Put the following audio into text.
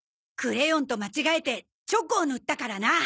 クレヨンと間違えてチョコを塗ったからな。